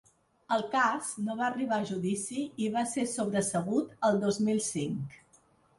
El cas no va arribar a judici i va ser sobresegut el dos mil cinc.